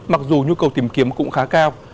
mặc dù nhu cầu tìm kiếm cũng khá cao